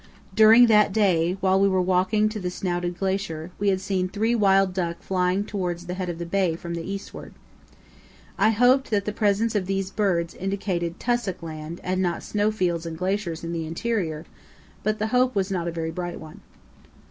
During that day, while we were walking to the snouted glacier, we had seen three wild duck flying towards the head of the bay from the eastward. I hoped that the presence of these birds indicated tussock land and not snow fields and glaciers in the interior, but the hope was not a very bright one.